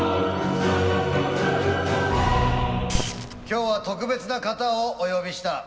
今日は特別な方をお呼びした。